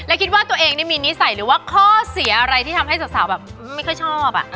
และคิดว่าตัวเองนี่มีนิสัยหรือว่าข้อเสียอะไรที่ทำให้สาวแบบไม่ค่อยชอบ